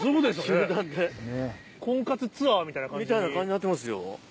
みたいな感じになってますよ。